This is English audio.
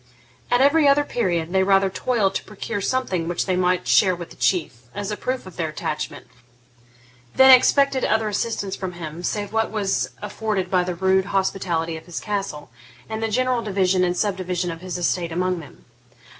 At every other period they rather toiled to procure something which they might share with the Chief, as a proof of their attachment, than expected other assistance from him save what was afforded by the rude hospitality of his castle, and the general division and subdivision of his estate among them.